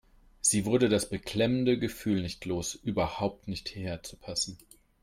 Sie wurde das beklemmende Gefühl nicht los, überhaupt nicht hierher zu passen.